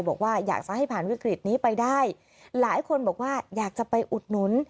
บอกว่าอยากจะให้ผ่านวิกฤตนี้ไปได้หลายคนบอกว่าอยากจะไปอุดหนุน